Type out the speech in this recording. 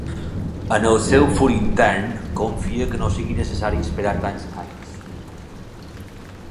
En el seu fur intern, confia que no sigui necessari esperar tants anys.